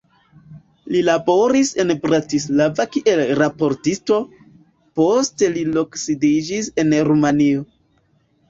Li laboris en Bratislava kiel raportisto, poste li loksidiĝis en Rumanio.